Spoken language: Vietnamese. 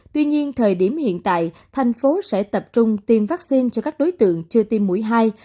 tuy nhiên thời điểm hiện tại thành phố sẽ tập trung tiêm vaccine cho các đối tượng chưa tiêm mũi hai